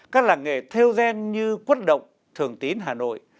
các làng nghề theo gen như quất động thường tín hà nội